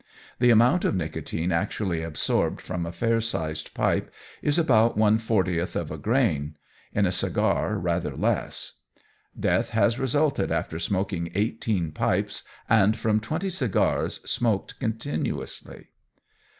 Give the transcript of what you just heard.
The amount of nicotine actually absorbed from a fair sized pipe is about one fortieth of a grain, in a cigar rather less. Death has resulted after smoking eighteen pipes, and from twenty cigars smoked continuously.